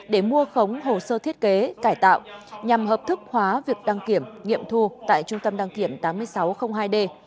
để mua khống hồ sơ thiết kế cải tạo nhằm hợp thức hóa việc đăng kiểm nghiệm thu tại trung tâm đăng kiểm tám nghìn sáu trăm linh hai d